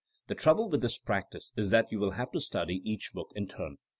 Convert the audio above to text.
The trouble with this practice is that you will have to study each book in turn.